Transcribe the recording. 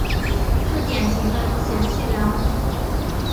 是典型的贤妻良母。